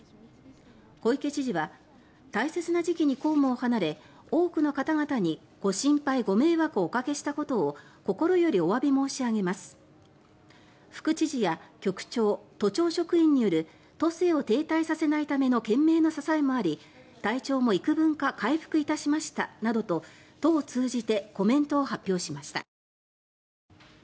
小池知事は大切な時期に公務を離れ多くの方々にご心配、ご迷惑をおかけしたことを心よりおわび申し上げます副知事や局長、都庁職員による都政を停滞させないための懸命の支えもあり、体調もいくぶんか回復いたしましたなどと都を通じてコメントを発表しました。